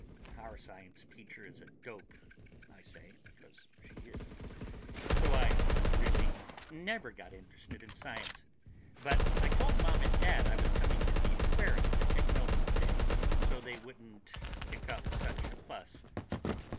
"Our science teacher is a dope," I say, because she is, "so I really never got very interested in science. But I told Mom and Dad I was coming to the aquarium to take notes today, so they wouldn't kick up such a fuss."